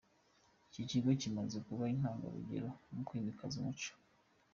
Iki kigo kimaze kuba intanga rugero mu kwimakaza umuco .